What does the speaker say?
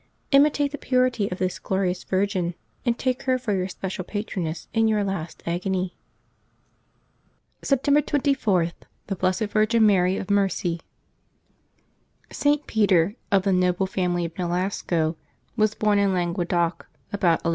Imitate the purity of this glorious virgin, and take her for your special patroness in your last agony. September 24.^THE BLESSED VIRGIN MARY OF MERCY. [t. Peter, of the noble family of Nolasco, was born in Languedoc, about 1189.